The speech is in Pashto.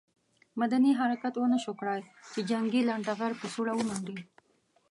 مدني حرکت ونه شو کړای چې جنګي لنډه غر په سوړه ومنډي.